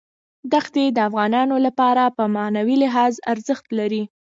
دښتې د افغانانو لپاره په معنوي لحاظ ارزښت لري.